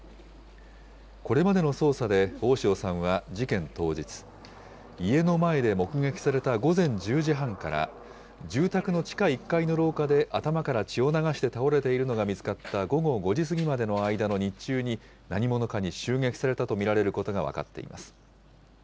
これまでの捜査で、大塩さんは事件当日、家の前で目撃された午前１０時半から、住宅の地下１階の廊下で頭から血を流して倒れているのが見つかった午後５時過ぎまでの間の日中に、何者かに襲撃されたと見られることが分かっています。